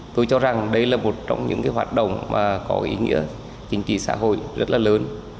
tôi cho rằng đây là một trong những hoạt động có ý nghĩa chính trị xã hội rất là lớn